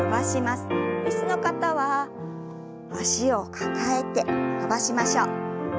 椅子の方は脚を抱えて伸ばしましょう。